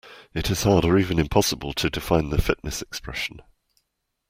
It is hard or even impossible to define the fitness expression.